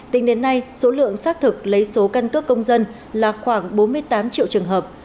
tính đến nay số lượng xác thực lấy số căn cước công dân là khoảng bốn mươi tám triệu trường hợp